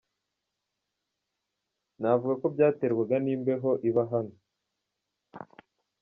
Navuga ko byaterwaga n’imbeho iba ino.